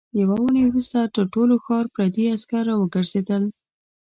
يوه اوونۍ وروسته تر ټول ښار پردي عسکر راوګرځېدل.